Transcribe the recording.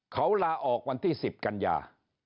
เขาราออกวันที่สิบกัญญา